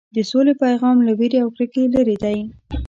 د سولې پیغام له وېرې او کرکې لرې دی.